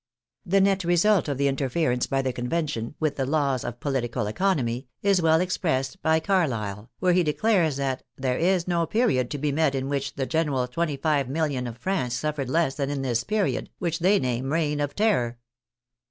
The net result of the interference by the Convention with the " Laws of Political Economy " is well expressed by Carlyle, where he declares that " there is no period to be met with in which the general 25,000,000 of France suffered less than in this period, which they name reign of terror."